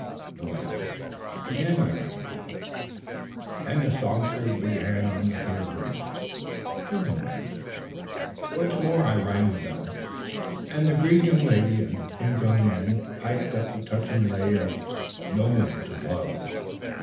No answer. Again I rang the bell, and the songsters began on the third verse. No answer. Once more I rang the bell, and the green young lady and pink young man piped upon the touching lay of "No one to love."